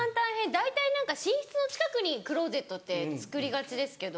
大体何か寝室の近くにクローゼットって造りがちですけど